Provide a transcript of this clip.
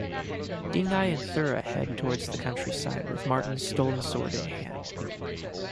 Dingeye and Thura head towards the countryside, with Martin's stolen sword in hand.